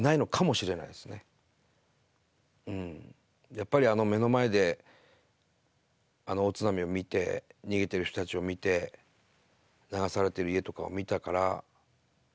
やっぱりあの目の前であの大津波を見て逃げてる人たちを見て流されてる家とかを見たから。